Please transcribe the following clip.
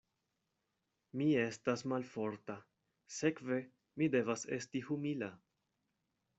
Mi estas malforta, sekve mi devas esti humila.